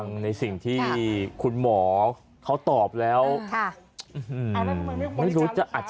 จันทรียะบัลของหมอมีแค่เนี่ยเหรอ